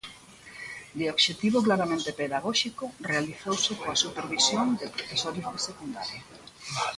De obxectivo claramente pedagóxico, realizouse coa supervisión de profesores de secundaria.